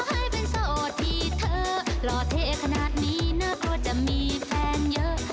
ให้เป็นโสดที่เธอหล่อเท่ขนาดนี้นะกลัวจะมีแฟนเยอะ